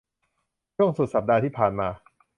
ช่วงสุดสัปดาห์ที่ผ่านมา